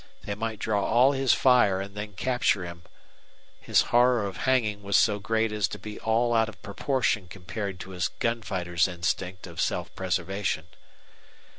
They might draw all his fire and then capture him. His horror of hanging was so great as to be all out of proportion compared to his gun fighter's instinct of self preservation.